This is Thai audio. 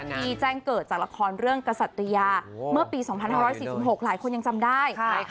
ที่แจ้งเกิดจากละครเรื่องกษัตริยาเมื่อปี๒๕๔๖หลายคนยังจำได้